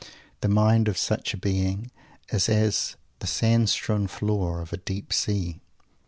The mind of such a being is as the sand strewn floor of a deep sea.